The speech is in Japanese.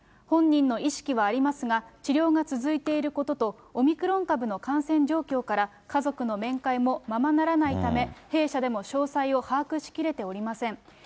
本人の意識はありますが、治療が続いていることと、オミクロン株の感染状況から、家族の面会もままならないため、弊社でも詳細を把握しきれておりません。